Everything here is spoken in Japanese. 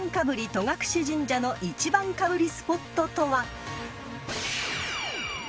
戸隠神社の１番かぶりスポットとは］